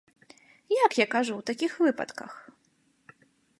Як я кажу ў такіх выпадках?